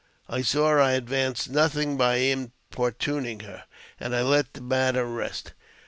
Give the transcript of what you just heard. I saw I advanced nothing by importuning her, and I let the matter rest.